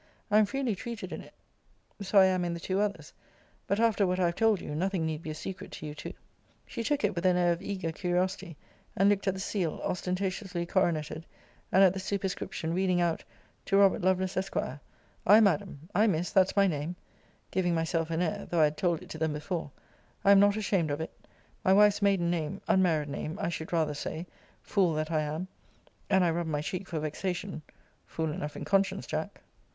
I am freely treated in it; so I am in the two others: but after what I have told you, nothing need be a secret to you two. She took it, with an air of eager curiosity, and looked at the seal, ostentatiously coroneted; and at the superscription, reading out, To Robert Lovelace, Esq. Ay, Madam Ay, Miss, that's my name, [giving myself an air, though I had told it to them before,] I am not ashamed of it. My wife's maiden name unmarried name, I should rather say fool that I am! and I rubbed my cheek for vexation [Fool enough in conscience, Jack!